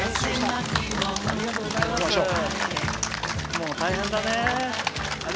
もう大変だね。